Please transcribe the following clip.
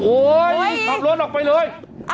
โอ๊ยขับรถออกไปเลย